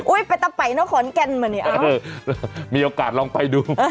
อุ้ยไปต่อไปเนอะขอนแก่นมาเนี่ยเอ้ามีโอกาสลองไปดู